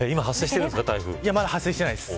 まだ台風、発生してないです。